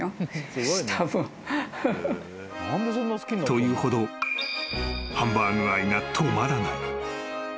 というほどハンバーグ愛が止まらない］